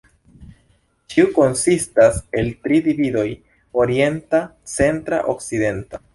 Ĉiu konsistas el tri dividoj: Orienta, Centra, Okcidenta.